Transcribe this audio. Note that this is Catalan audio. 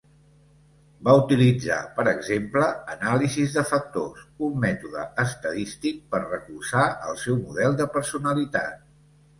Va utilitzar, per exemple, anàlisis de factors, un mètode estadístic per recolzar el seu model de personalitat.